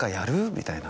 みたいな。